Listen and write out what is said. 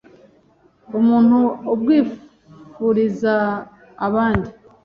umuntu abwifuriza abandi